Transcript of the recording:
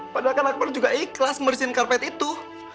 padahal akbar juga ikhlas merisikkan karpet itu